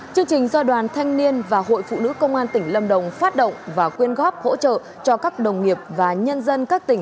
chương trình do đoàn thanh niên và hội phụ nữ công an tỉnh lâm đồng phát động và quyên góp hỗ trợ cho các đồng nghiệp và nhân dân các tỉnh